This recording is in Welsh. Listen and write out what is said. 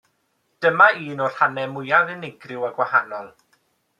Dyma un o'r rhannau mwyaf unigryw a gwahanol.